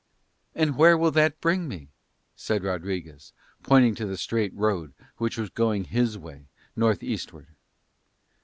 "And where will that bring me?" said Rodriguez, pointing to the straight road which was going his way, north eastward.